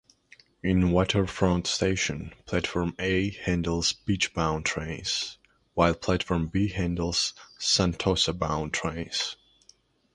In Waterfront Station, platform A handles Beach-bound trains, while platform B handles Sentosa-bound trains.